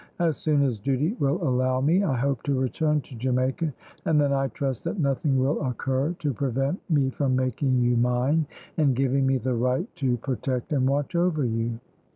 "As soon as duty will allow me I hope to return to Jamaica, and then I trust that nothing will occur to prevent me from making you mine, and giving me the right to protect and watch over you."